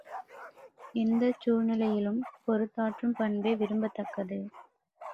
எந்தச் சூழ்நிலையிலும் பொறுத்தாற்றும் பண்பே விரும்பத்தக்கது.